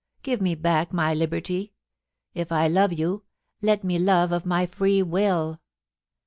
Give me back my liberty. If I love you, let me love of my free will.